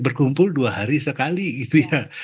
berkumpul dua hari sekali gitu ya